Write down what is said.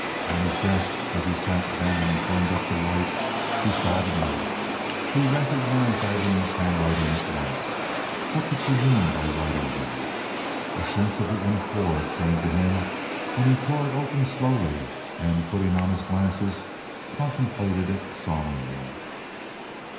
On his desk, as he sat down and turned up the light, he saw the note. He recognized Aileen's handwriting at once. What could she mean by writing him? A sense of the untoward came to him, and he tore it open slowly, and, putting on his glasses, contemplated it solemnly.